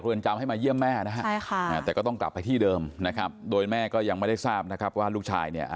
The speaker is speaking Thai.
เขาก็ต้องไปจุดนั้นอยู่ดี